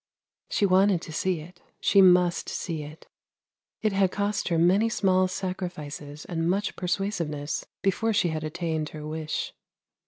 She wanted to see it, she must see it! It had cost her many small sacrifices and much persuasiveness before she had attained her wish.